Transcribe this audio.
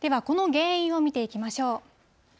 この原因を見ていきましょう。